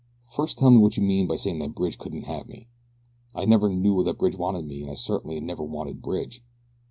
"First tell me what you meant by saying that Bridge couldn't have me. I never knew that Bridge wanted me, and I certainly have never wanted Bridge.